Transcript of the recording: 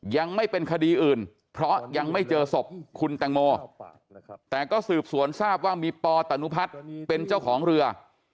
ยังไม่เป็นคดีอื่นเพราะยังไม่เจอศพคุณแตงโมแต่ก็สืบสวนทราบว่ามีปตนุพัฒน์เป็นเจ้าของเรือ